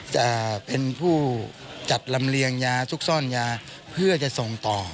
จะเป็นผู้จัดลำเลียงยาซุกซ่อนยาเพื่อจะส่งต่อ